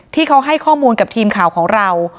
ที่เขาให้ข้อมูลกับทีมข่าวของเรา